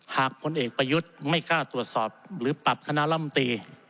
พลเอกประยุทธ์ไม่กล้าตรวจสอบหรือปรับคณะลำตี